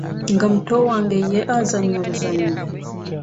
Nga muto wange ye azannya buzannyi?